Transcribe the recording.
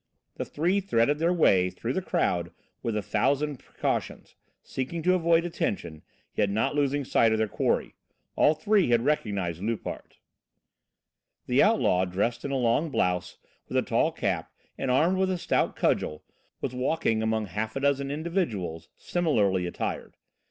The three threaded their way through the crowd with a thousand precautions, seeking to avoid attention, yet not losing sight of their quarry. All three had recognised Loupart! The outlaw, dressed in a long blouse, with a tall cap, and armed with a stout cudgel, was walking among half a dozen individuals similarly attired.